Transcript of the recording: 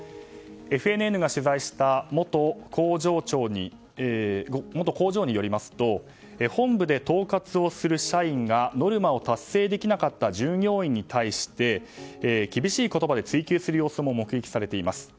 ＦＮＮが取材した元工場によりますと本部で統轄をする社員がノルマを達成できなかった従業員に対して厳しい言葉で追及する様子も目撃されています。